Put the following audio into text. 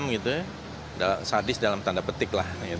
sedangkan di masa pemerintahan itu sadis dalam tanda petik